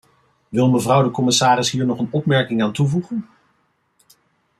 Wil mevrouw de commissaris hier nog een opmerking aan toevoegen?